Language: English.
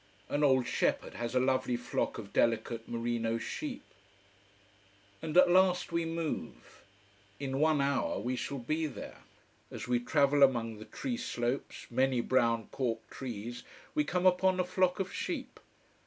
An old shepherd has a lovely flock of delicate merino sheep. And at last we move. In one hour we shall be there. As we travel among the tree slopes, many brown cork trees, we come upon a flock of sheep.